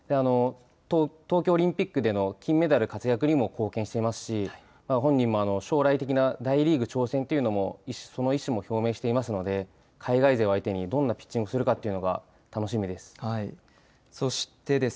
東京オリンピックでの金メダル活躍にも貢献していますし、本人も将来的な大リーグ挑戦というのも、その意思も表明していますので、海外勢を相手にどんなピッチングをするかっていうのが楽しみです。